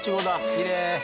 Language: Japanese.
きれい。